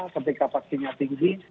ketika vaksinnya tinggi